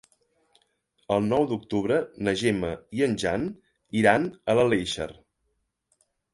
El nou d'octubre na Gemma i en Jan iran a l'Aleixar.